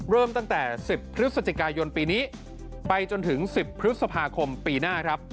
เริ่มตั้งแต่๑๐พฤศจิกายนปีนี้ไปจนถึง๑๐พฤษภาคมปีหน้าครับ